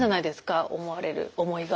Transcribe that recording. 思われる思いが。